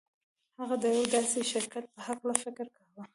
هغه د یوه داسې شرکت په هکله فکر کاوه